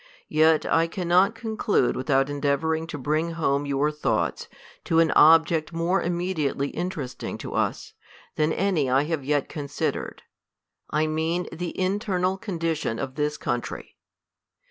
Yet I cannot con clude without endeavouring to bring home your thoughts to an object more immediately interesting to us, than any I have yet considered : I mean the in ternal condition of this country.